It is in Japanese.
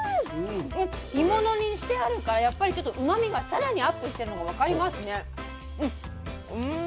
干物にしてあるからやっぱりちょっとうまみが更にアップしてるのが分かりますね。